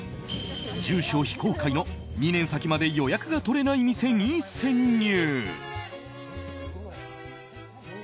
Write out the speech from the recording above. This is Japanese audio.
住所非公開の、２年先まで予約が取れない店に潜入。